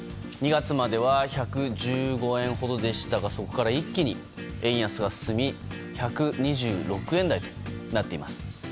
２月までは１１５円ほどでしたがそこから一気に円安が進み１２６円台となっています。